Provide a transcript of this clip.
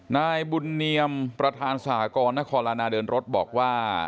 นายบุญเนียมประธานสหกรณ์นครลานาเดินรถบอกว่า